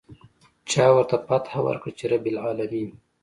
چا ورته فتحه ورکړه چې رب العلمين.